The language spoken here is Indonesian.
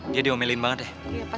dia diomelin banget ya